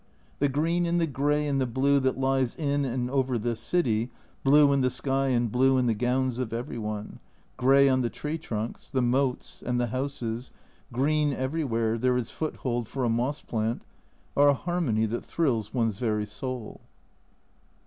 The green and the grey and the blue that lies in and over this city, blue in the sky and blue in the gowns of every one ; grey on the tree trunks, the moats, and the houses ; green everywhere there is foot hold for a moss plant, are a harmony that thrills one's very soul.